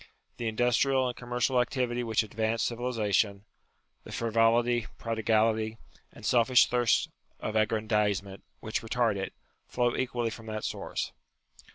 The industrial and commercial activity which advance civilization, the frivolity, prodigality, and selfish thirst of aggrandizement which retard it, flow equally from that source.